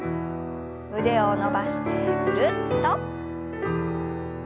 腕を伸ばしてぐるっと。